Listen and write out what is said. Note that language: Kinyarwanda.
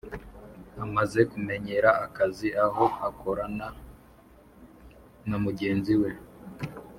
amaze kumenyera akazi aho akorana namugenzi we